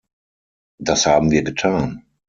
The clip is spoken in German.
Das haben wir getan.